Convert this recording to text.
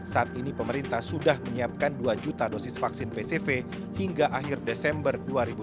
saat ini pemerintah sudah menyiapkan dua juta dosis vaksin pcv hingga akhir desember dua ribu dua puluh